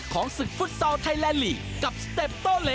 ศึกฟุตซอลไทยแลนดลีกกับสเต็ปโตเล